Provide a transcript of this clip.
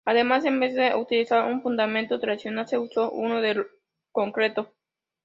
Además, en vez de utilizar un fundamento tradicional, se usó uno de concreto.